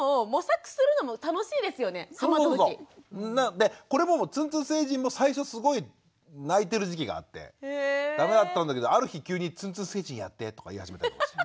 でこれもつんつん星人も最初すごい泣いてる時期があってダメだったんだけどある日急に「つんつん星人やって」とか言い始めたんですよ。